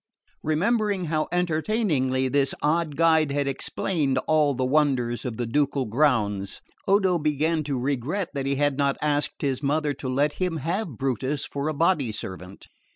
Remembering how entertainingly this odd guide had explained all the wonders of the ducal grounds, Odo began to regret that he had not asked his mother to let him have Brutus for a body servant.